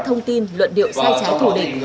thông tin luận điệu sai trái thủ định